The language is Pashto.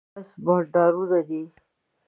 په دې کتاب کی موجود یوولس بانډارونه دي